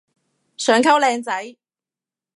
想溝靚仔